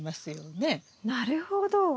なるほど。